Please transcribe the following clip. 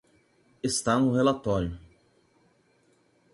Está no relatório.